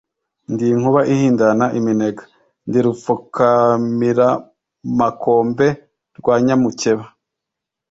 Ndi inkuba ihindana iminega..Ndi Rupfukamiramakombe rwa Nyamukeba